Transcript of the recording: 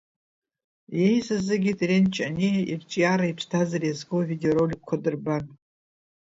Еизаз зегьы Терент Ҷаниа ирҿиареи иԥсҭазаареи иазку авидеороликқәа дырбан.